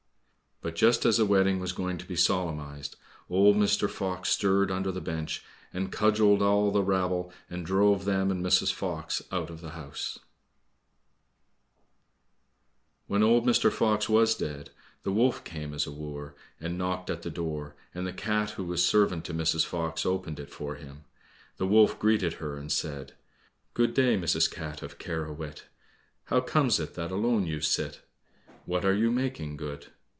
But just as the wedding was going to be solemnized, old Mr. Fox stirred under the bench, and cudgelled all the rabble, and drove them and Mrs. Fox out of the house. SECOND STORY When old Mr. Fox was dead, the wolf came as a wooer, and knocked at the door, and the cat who was servant to Mrs. Fox, opened it for him. The wolf greeted her, and said, "Good day, Mrs. Cat of Kehrewit, "How comes it that alone you sit? What are you making good?"